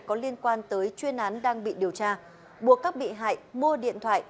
có liên quan tới chuyên án đang bị điều tra buộc các bị hại mua điện thoại